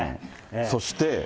そして。